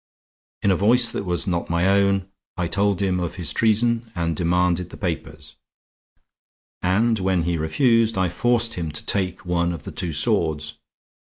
In a voice that was not my own, I told him of his treason and demanded the papers; and when he refused, I forced him to take one of the two swords.